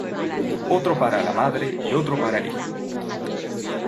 otro para la madre y otro para el hijo.